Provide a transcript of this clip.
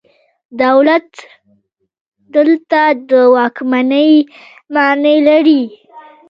ولایت دلته د واکمنۍ معنی لري.